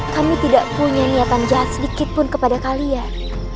kami tidak punya niatan jahat sedikit pun kepada kalian